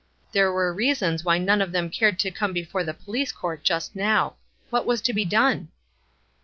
There were reasons why none of them cared to come before the police court just now. What was to be done?